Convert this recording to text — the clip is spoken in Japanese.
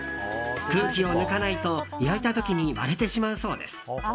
空気を抜かないと焼いた時に割れてしまうそうです。